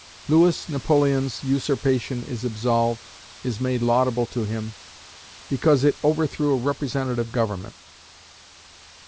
Louis Napoleon's usurpation is absolved, is made laudable to him, because it overthrew a representative government.